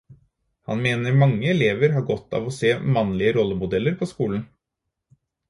Han mener mange elever har godt av å se mannlige rollemodeller på skolen.